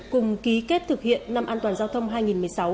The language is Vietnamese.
cùng ký kết thực hiện năm an toàn giao thông hai nghìn một mươi sáu